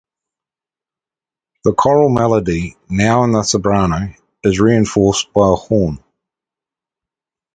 The choral melody, now in the soprano, is reinforced by a horn.